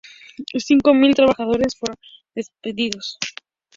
Cinco mil trabajadores fueron despedidos.